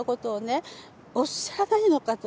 おっしゃらないのかとね。